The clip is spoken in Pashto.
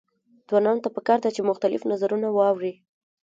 ځوانانو ته پکار ده چې، مختلف نظرونه واوري.